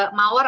ini mas mawar